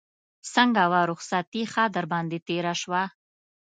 څنګه وه رخصتي ښه در باندې تېره شوه.